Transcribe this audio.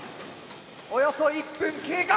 およそ１分経過。